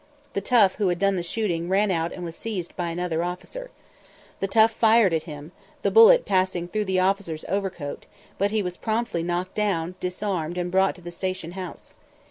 The tough who had done the shooting ran out and was seized by another officer. The tough fired at him, the bullet passing through the officer's overcoat, but he was promptly knocked down, disarmed, and brought to the station house.